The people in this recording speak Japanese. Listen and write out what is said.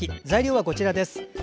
材料はこちらです。